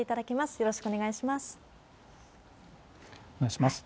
よろしくお願いします。